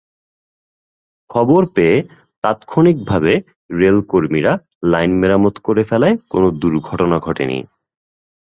খবর পেয়ে তাৎক্ষণিকভাবে রেলকর্মীরা লাইন মেরামত করে ফেলায় কোনো দুর্ঘটনা ঘটেনি।